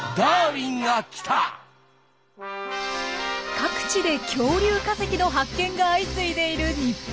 各地で恐竜化石の発見が相次いでいる日本。